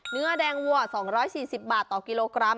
เนื้อแดงวัว๒๔๐บาทต่อกิโลกรัม